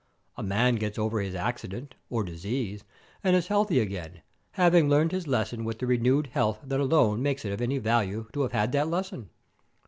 A man gets over his accident or disease and is healthy again, having learned his lesson with the renewed health that alone makes it of any value to have had that lesson.